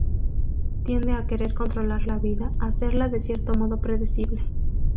Tiende a querer controlar la vida, a hacerla de cierto modo predecible.